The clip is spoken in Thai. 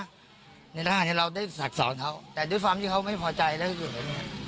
หรื้อจะมาชนแก้เวทรห์หรือจงมาทำยังงานเหลี้ยหรือว่าจะมาพูดจัดหยับคายอะไรตรงนี้ไม่ได้นะ